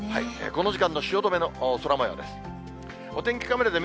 この時間の汐留の空もようです。